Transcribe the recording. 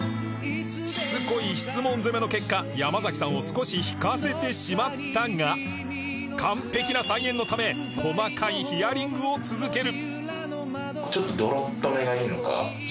しつこい質問攻めの結果山崎さんを少し引かせてしまったが完璧な再現のため細かいヒアリングを続ける